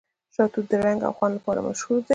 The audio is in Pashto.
شاه توت د رنګ او خوند لپاره مشهور دی.